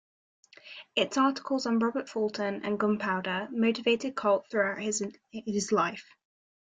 Its articles on Robert Fulton and gunpowder motivated Colt throughout his life.